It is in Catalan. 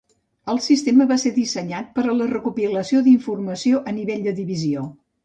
El sistema va ser dissenyat per a la recopilació d'informació a nivell de divisió.